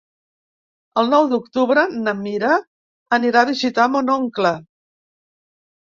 El nou d'octubre na Mira anirà a visitar mon oncle.